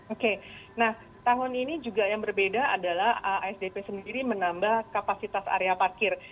oke nah tahun ini juga yang berbeda adalah asdp sendiri menambah kapasitas area parkir